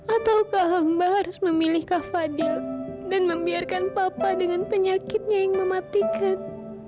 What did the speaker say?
ataukah hamba harus memilih kavadal dan membiarkan papa dengan penyakitnya yang mematikan